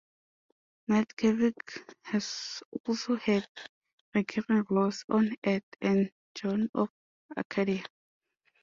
Matkevich has also had recurring roles on "Ed" and "Joan of Arcadia".